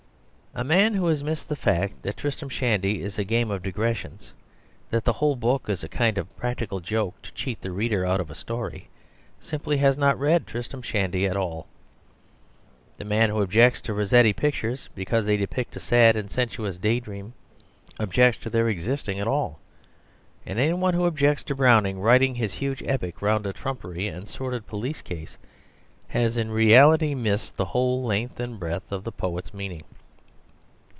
A man who has missed the fact that Tristram Shandy is a game of digressions, that the whole book is a kind of practical joke to cheat the reader out of a story, simply has not read Tristram Shandy at all. The man who objects to the Rossetti pictures because they depict a sad and sensuous day dream, objects to their existing at all. And any one who objects to Browning writing his huge epic round a trumpery and sordid police case has in reality missed the whole length and breadth of the poet's meaning.